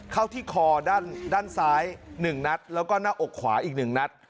เข้าที่คอด้านซ้าย๑นัดแล้วก็หน้าอกขวาอีก๑นัด